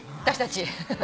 私たち。